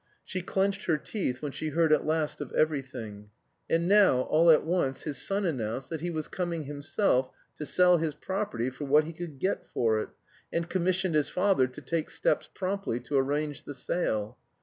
She clenched her teeth when she heard at last of everything. And now, all at once, his son announced that he was coming himself to sell his property for what he could get for it, and commissioned his father to take steps promptly to arrange the sale.